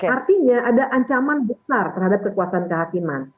artinya ada ancaman besar terhadap kekuasaan kehakiman